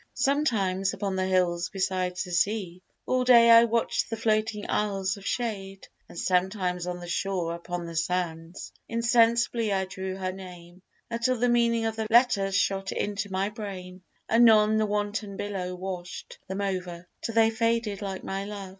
Sometimes upon the hills beside the sea All day I watched the floating isles of shade, And sometimes on the shore, upon the sands Insensibly I drew her name, until The meaning of the letters shot into My brain: anon the wanton billow wash'd Them over, till they faded like my love.